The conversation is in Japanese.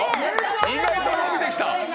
意外と伸びてきた。